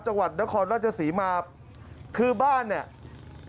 จังหวัดนครราชศรีมาคือบ้านเนี่ย